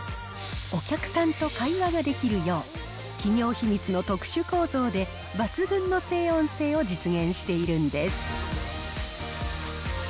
お客さんと会話ができるよう、企業秘密の特殊構造で抜群の静音性を実現しているんです。